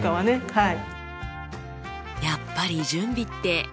はい。